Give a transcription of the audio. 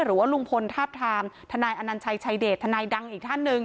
หรือว่าลุงพลทาบทามทนายอนัญชัยชายเดชทนายดังอีกท่านหนึ่ง